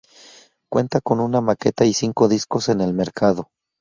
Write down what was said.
Cuentan con una maqueta y cinco discos en el mercado.